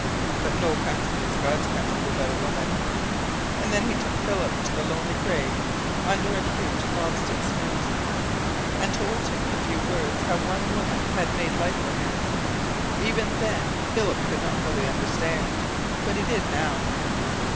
But no country is God's Country without a woman," and then he took Philip to the lonely grave under a huge lob stick spruce, and told him in a few words how one woman had made life for him. Even then Philip could not fully understand. But he did now.